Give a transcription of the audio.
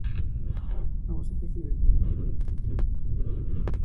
La música sigue con el estilo de las entregas anteriores.